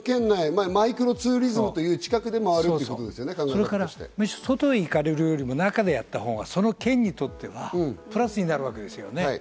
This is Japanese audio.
マイクロツーリズムというこそれから外へ行かれるよりも中でやったほうがその県にとってはプラスになるわけですよね。